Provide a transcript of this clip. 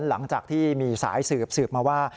หลังจากที่มีสายสืบสืบมาว่า